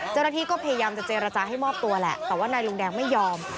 เจ้าหน้าที่ก็พยายามจะเจรจาให้มอบตัวแหละแต่ว่านายลุงแดงไม่ยอม